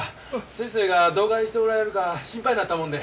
先生がどがいしておられるか心配になったもんで。